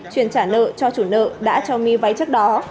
chuyên trả nợ cho chủ nợ đã cho my vay trước đó